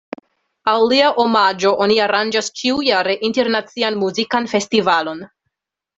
Al lia omaĝo oni aranĝas ĉiujare internacian muzikan festivalon.